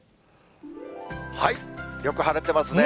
よく晴れてますね。